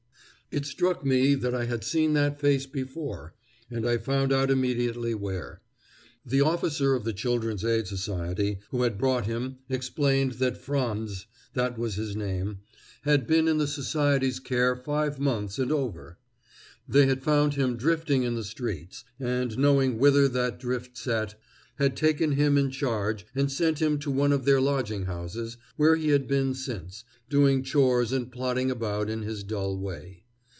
It struck me that I had seen that face before, and I found out immediately where. The officer of the Children's Aid Society who had brought him explained that Frands that was his name had been in the society's care five months and over. They had found him drifting in the streets, and, knowing whither that drift set, had taken him in charge and sent him to one of their lodging houses, where he had been since, doing chores and plodding about in his dull way.